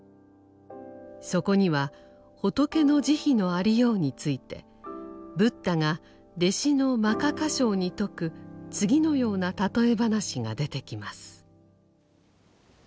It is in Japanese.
そこには仏の慈悲のありようについてブッダが弟子の摩訶迦葉に説く次のような譬え話が出てきます。